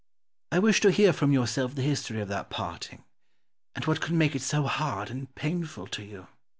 Scipio. I wish to hear from yourself the history of that parting, and what could make it so hard and painful to you.